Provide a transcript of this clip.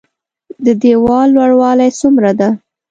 د ديوال لوړوالی څومره ده؟